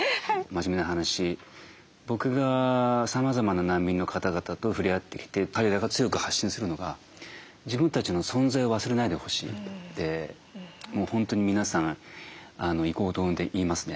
真面目な話僕がさまざまな難民の方々と触れ合ってきて彼らが強く発信するのが「自分たちの存在を忘れないでほしい」ってもう本当に皆さん異口同音で言いますね。